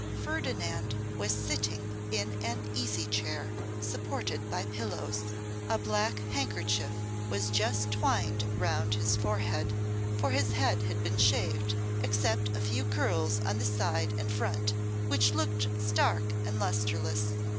Ferdinand was sitting in an easy chair, supported by pillows. A black handkerchief was just twined round his forehead, for his head had been shaved, except a few curls on the side and front, which looked stark and lustreless.